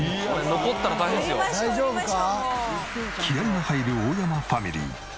気合が入る大山ファミリー。